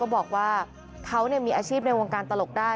บอกว่าเขามีอาชีพในวงการตลกได้